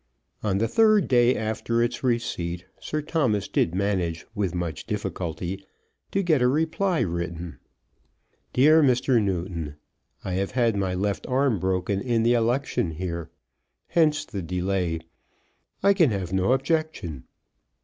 On the third day after its receipt Sir Thomas did manage with much difficulty to get a reply written. DEAR MR. NEWTON, I have had my left arm broken in the election here. Hence the delay. I can have no objection.